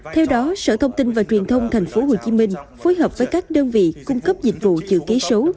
theo đó sở thông tin và truyền thông thành phố hồ chí minh phối hợp với các đơn vị cung cấp dịch vụ chữ ký số